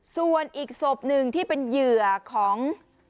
ส่วนอีกศพหนึ่งที่เป็นเหยื่อของ